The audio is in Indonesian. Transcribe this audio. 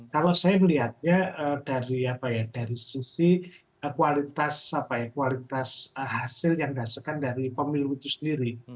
tapi saya punya riset misalnya dari sisi kualitas hasil yang dirasakan dari pemilu itu sendiri